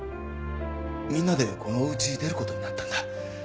みんなでこのお家出る事になったんだ。